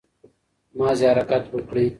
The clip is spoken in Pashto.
مازې حرکت وکړٸ